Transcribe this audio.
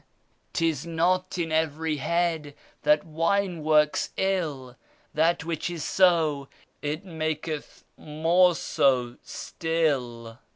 " 'Tis not in every head that wine works ill ; That which is so, it maketh more so still."